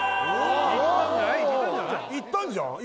いったんじゃん？